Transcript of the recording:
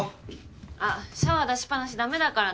あっシャワー出しっぱなし駄目だからね。